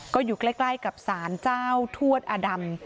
ก็อยู่ใกล้กับสารเจ้าทวดอดำ